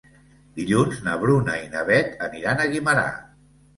Dilluns na Bruna i na Beth aniran a Guimerà.